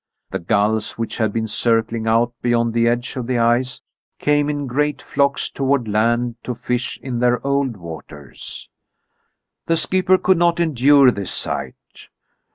The gulls, which had been circling out beyond the edge of the ice, came in great flocks toward land to fish in their old waters. The skipper could not endure this sight.